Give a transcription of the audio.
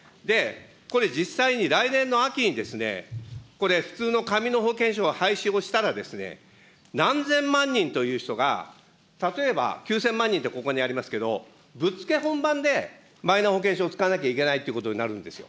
これ、実際に来年の秋にですね、これ、普通の紙の保険証を廃止をしたらですね、何千万人という人が、例えば、９０００万人ってここにありますけれども、ぶっつけ本番で、マイナ保険証を使わなきゃいけないということになるんですよ。